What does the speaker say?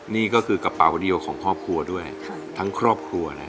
นี่ก็คือกระเป๋าเดียวของครอบครัวด้วยทั้งครอบครัวเลย